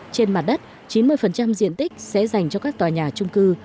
trên mặt đất chín mươi diện tích sẽ dành cho các tòa nhà trung cư